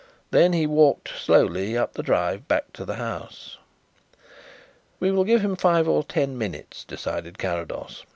Then he walked slowly up the drive back to the house. "We will give him five or ten minutes," decided Carrados.